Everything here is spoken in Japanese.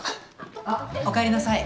あっおかえりなさい。